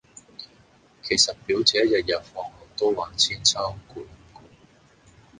其實表姐日日放學都玩韆鞦攰唔攰